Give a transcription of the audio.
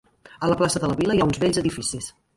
A la plaça de la vila hi ha uns bells edificis.